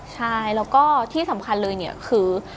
ใช่แล้วก็ที่สำคัญเลยคือ